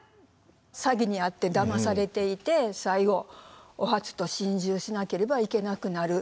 詐欺に遭ってだまされていて最後お初と心中しなければいけなくなる。